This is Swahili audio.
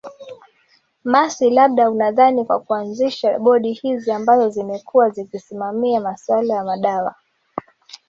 mercy labda unadhani kwa kuanzisha bodi hizi ambazo zimekuwa zikisimamia masuala ya madawa